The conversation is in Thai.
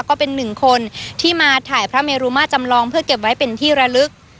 ก็เป็นหนึ่งคนที่มาถ่ายพระเมรุมาจำลองเพื่อเก็บไว้เป็นที่ระลึก